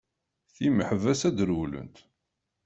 Timeḥbas ad rewwlent!